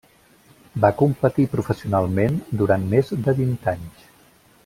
Va competir professionalment durant més de vint anys.